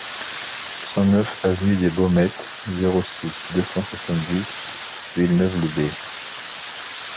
cent neuf avenue des Baumettes, zéro six, deux cent soixante-dix Villeneuve-Loubet